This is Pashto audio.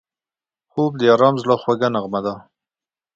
خوب د آرام زړه خوږه نغمه ده